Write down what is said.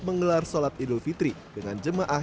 menggelar sholat idul fitri dengan jemaah